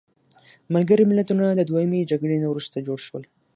ملګري ملتونه د دویمې جګړې نه وروسته جوړ شول.